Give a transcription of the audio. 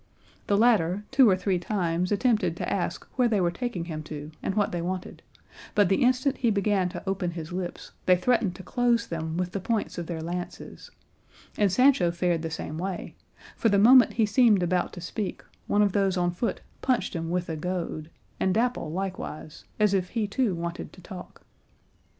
The latter two or three times attempted to ask where they were taking him to and what they wanted, but the instant he began to open his lips they threatened to close them with the points of their lances; and Sancho fared the same way, for the moment he seemed about to speak one of those on foot punched him with a goad, and Dapple likewise, as if he too wanted to talk.